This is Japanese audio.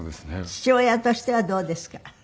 「父親としてはどうですか？」